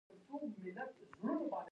د فلاني کال د جولای پر لومړۍ نېټه ولیکل.